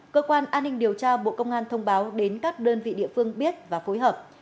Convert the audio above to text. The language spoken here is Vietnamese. cơ quan an ninh điều tra bộ công an thông báo đến các đơn vị địa phương biết và phối hợp